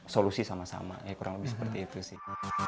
solusi sama sama ya kurang lebih seperti itu sih